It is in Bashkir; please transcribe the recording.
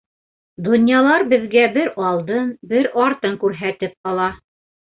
Донъялар беҙгә бер алдын, бер артын күрһәтеп ала.